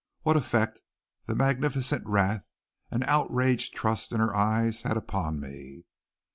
What effect the magnificent wrath and outraged trust in her eyes had upon me!